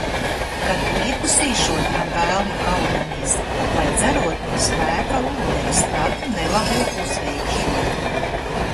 Kad piekusīšot, ar velnu kaudamies, lai dzerot no spēka ūdens, tad nelabo uzveikšot.